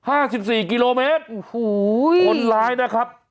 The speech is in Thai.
สิบสี่กิโลเมตรโอ้โหคนร้ายนะครับ